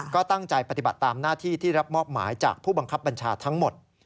ก็ตั้งใจปฏิบัติตามหน้าที่ที่รับมอบหมายจากผู้บังคับบัญชาทั้งหมด